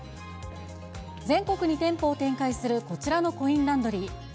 全国に店舗を展開するこちらのコインランドリー。